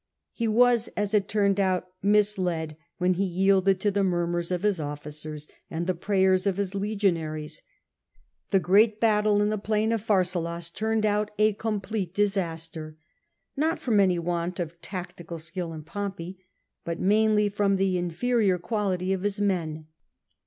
He was, as it turned out, misled when he yielded to the murmurs of his officers and the prayers of his legionaries. The great battle in the plain of Pharsalus turned out a complete disaster, not from any want of tactical skill in Pompey, but mainly from the inferior quality of his men.